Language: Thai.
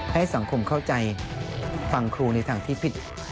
ให้สังคมเข้าใจฟังครูในทางที่ผิด